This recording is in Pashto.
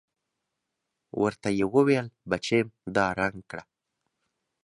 ورته يې وويل بچېم دا رنګ کړه.